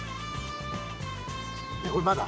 これまだ？